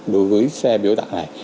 đối với xe biểu tạng này